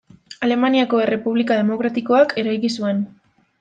Alemaniako Errepublika demokratikoak eraiki zuen.